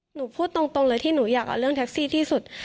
หนูพูดตรงเลยที่หนูอยากเอาเรื่องแท็กซี่ที่สุด